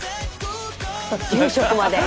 住職まで。